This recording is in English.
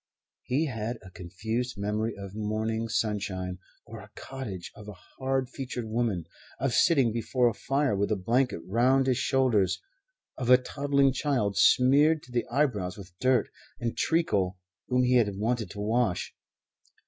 He had a confused memory of morning sunshine, of a cottage, of a hard featured woman, of sitting before a fire with a blanket round his shoulders, of a toddling child smeared to the eyebrows with dirt and treacle whom he had wanted to wash.